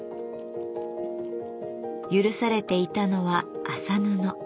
許されていたのは麻布。